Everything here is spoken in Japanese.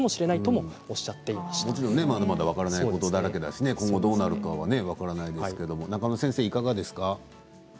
もちろんまだまだ分からないことだらけだし今後どうなるか分からないですけど中野先生、いかがですか。